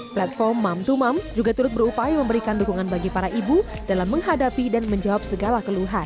platform mom to mom juga turut berupaya memberikan dukungan bagi para ibu dalam menghadapi dan menjawab segala keluhan